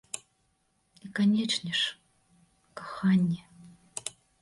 І, канечне ж, каханне.